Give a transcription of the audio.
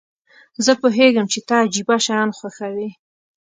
زه پوهیږم چې ته عجیبه شیان خوښوې.